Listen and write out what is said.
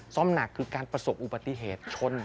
หนักคือการประสบอุบัติเหตุชน